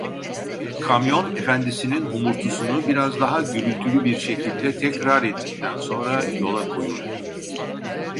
Kamyon, efendisinin homurtusunu biraz daha gürültülü bir şekilde tekrar ettikten sonra yola koyuldu.